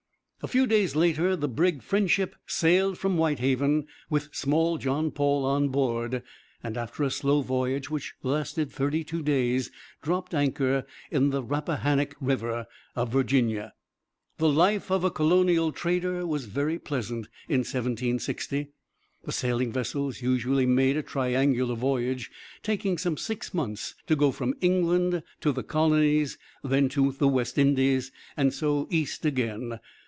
A few days later the brig Friendship sailed from Whitehaven, with small John Paul on board, and after a slow voyage which lasted thirty two days dropped anchor in the Rappahannock River of Virginia. The life of a colonial trader was very pleasant in 1760. The sailing vessels usually made a triangular voyage, taking some six months to go from England to the colonies, then to the West Indies, and so east again.